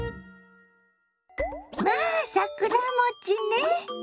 まあ桜餅ね。